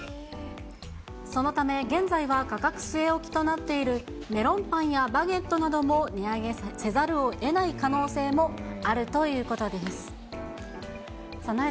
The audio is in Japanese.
そのため、現在は価格据え置きとなっているメロンパンやバゲットなども値上げせざるをえない可能性もあるということです。